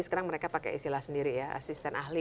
sekarang mereka pakai istilah sendiri ya asisten ahli